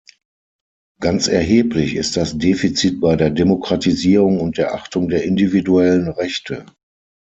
Ganz erheblich ist das Defizit bei der Demokratisierung und der Achtung der individuellen Rechte.